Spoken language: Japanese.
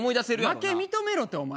負け認めろってお前。